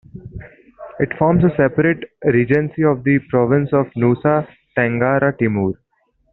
It forms a separate regency of the province of Nusa Tenggara Timur.